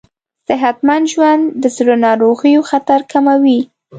صحتمند ژوند د زړه ناروغیو خطر کموي.